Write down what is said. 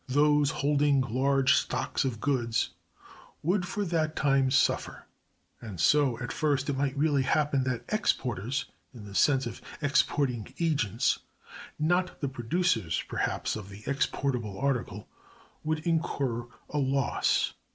Those holding large stocks of goods would for that time suffer; and so, at first, it might really happen that "exporters," in the sense of exporting agents (not the producers, perhaps, of the exportable article), would incur a loss.